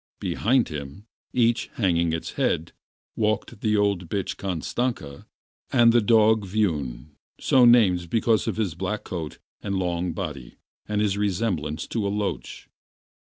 Behind him, each hanging its head, walked the old bitch Kashtanka, and the dog Viun, so named because of his black coat and long body and his resemblance to a loach.